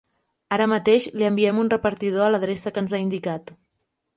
Ara mateix li enviem un repartidor a l'adreça que ens ha indicat.